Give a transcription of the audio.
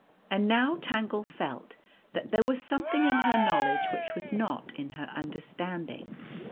And now Tangle felt that there was something O t_j in her knowledge which was not in her understanding.